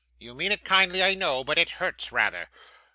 You mean it kindly, I know, but it hurts rather.